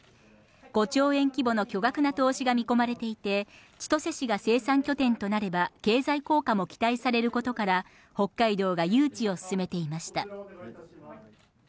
５兆円規模の巨額な投資が見込まれていて、千歳市が生産拠点となれば経済効果も期待されていることから、北海道が誘致を進めていました。